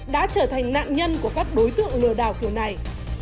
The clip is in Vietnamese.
đã trở thành nạn nhân của các đối tượng lừa đảo kiểu này